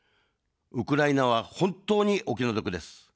ウクライナは本当にお気の毒です。